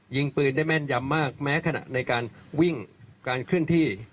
ยิงปืนได้แม่นยำมากแม้ขณะในการวิ่งการเคลื่อนที่